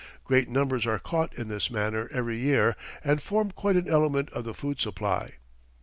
Great numbers are caught in this manner every year and form quite an element of the food supply.